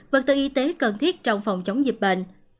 vật tư y tế cần thiết trong phòng chống dịch bệnh